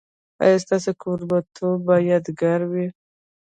ایا ستاسو کوربه توب به یادګار وي؟